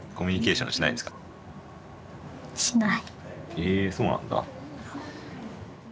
えそうなんだ。